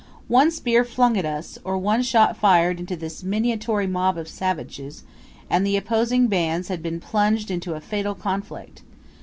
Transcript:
One spear flung at us, or one shot fired into this minatory mob of savages, and the opposing' bands had been plunged into a fatal conflict!